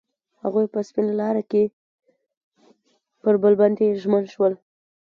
هغوی په سپین لاره کې پر بل باندې ژمن شول.